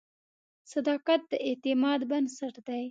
صداقت د اعتماد بنسټ دی.